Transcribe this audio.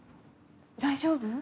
大丈夫？